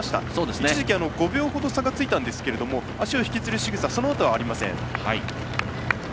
一時期５秒ほど差がついたんですが足を引きずるしぐさそのあとはありません。